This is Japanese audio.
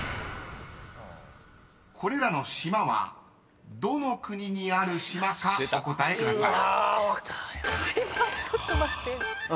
［これらの島はどの国にある島かお答えください］